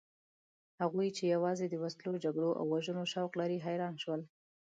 هغوی چې یوازې د وسلو، جګړو او وژنو شوق لري حیران شول.